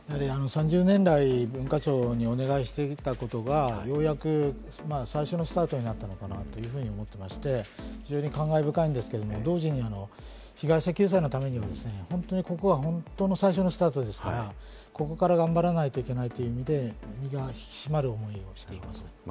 ３０年来、文化庁にお願いしていたことが、ようやく最初のスタートになったのかなと思っていまして、非常に感慨深いんですけれども、同時に被害者救済のためにも、本当にここは本当に最初のスタートですから、ここから頑張らないといけないという意味で、身が引き締まる思いをしております。